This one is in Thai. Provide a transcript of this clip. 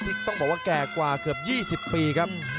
ต้องบอกว่าแก่กว่าเกือบ๒๐ปีครับ